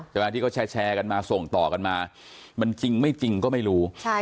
แต่ว่าที่เขาแชร์แชร์กันมาส่งต่อกันมามันจริงไม่จริงก็ไม่รู้ใช่